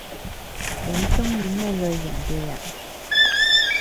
你中意咩類型嘅人？